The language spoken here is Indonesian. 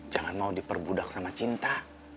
jangan mau diperbudak sama cinta